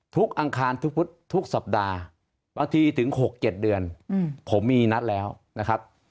อังคารทุกสัปดาห์บางทีถึง๖๗เดือนผมมีนัดแล้วนะครับ